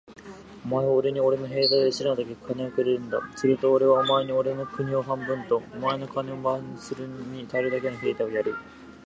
お前はおれにおれの兵隊を養うだけ金をくれるんだ。するとおれはお前におれの国を半分と、お前の金を番するのにたるだけの兵隊をやる。